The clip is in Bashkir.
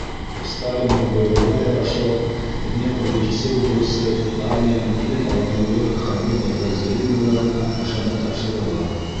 Сталиндың бойороғона ярашлы, Днепрҙы кисеү бурысы армияның иң алдынғы хәрби подразделениеларына ышанып тапшырыла.